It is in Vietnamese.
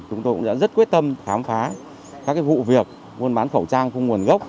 chúng tôi cũng đã rất quyết tâm khám phá các vụ việc buôn bán khẩu trang không nguồn gốc